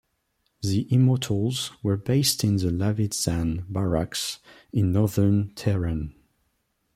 The "Immortals" were based in the Lavizan Barracks in northern Tehran.